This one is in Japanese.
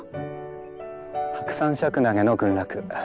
ハクサンシャクナゲの群落。